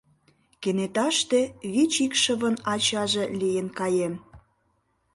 Кенеташте вич икшывын ачаже лийын каем.